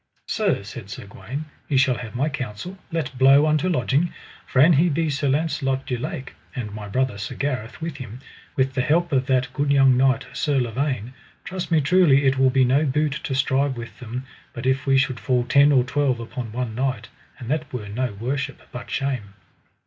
Sir, said Sir Gawaine, ye shall have my counsel: let blow unto lodging, for an he be Sir Launcelot du Lake, and my brother, Sir Gareth, with him, with the help of that good young knight, Sir Lavaine, trust me truly it will be no boot to strive with them but if we should fall ten or twelve upon one knight, and that were no worship, but shame.